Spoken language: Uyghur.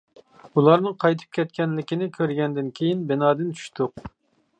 ئۇلارنىڭ قايتىپ كەتكەنلىكىنى كۆرگەندىن كېيىن بىنادىن چۈشتۇق.